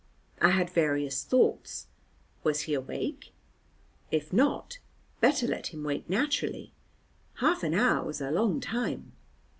I had various thoughts. Was he awake? If not, better let him wake naturally. Half an hour was a long time.